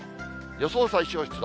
予想最小湿度。